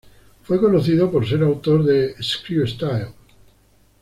Fue conocido por ser autor de ""Screw Style"".